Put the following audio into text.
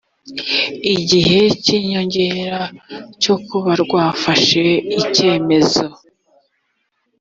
igihe cy inyongera cyo kuba rwafashe icyemezo